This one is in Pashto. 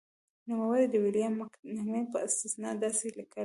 نوموړی د ویلیام مکنیل په استناد داسې لیکي.